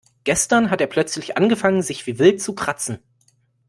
Gestern hat er plötzlich angefangen sich wie wild zu kratzen.